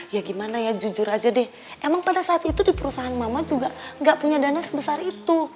ya gimana ya jujur aja deh emang pada saat itu di perusahaan mama juga nggak punya dana sebesar itu